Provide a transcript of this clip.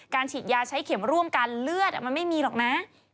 ฉีดยาใช้เข็มร่วมกันเลือดมันไม่มีหรอกนะ